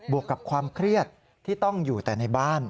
วกกับความเครียดที่ต้องอยู่แต่ในบ้าน